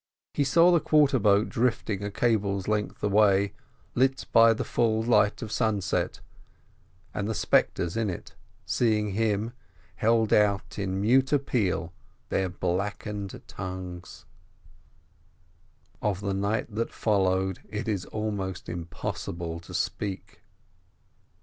He saw the quarter boat drifting a cable's length away, lit by the full light of sunset, and the spectres in it, seeing him, held out in mute appeal their blackened tongues. Of the night that followed it is almost impossible to speak.